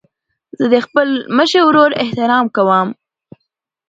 زه د خپل مشر ورور احترام کوم.